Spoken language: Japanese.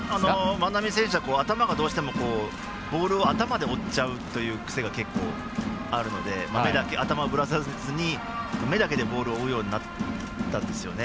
万波選手はボールを頭で追っちゃうという癖が結構あるので、目だけ頭をぶらさずに、目だけでボールを追うようになったんですね。